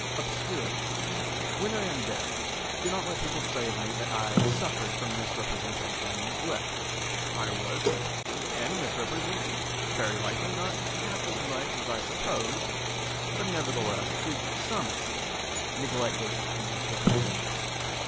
Obscurity When I am dead, do not let people say of me that I suffered from misrepresentation and neglect. I was neglected and misrepresented; very likely not half as much as I supposed but, nevertheless, to some extent neglected and misrepresented.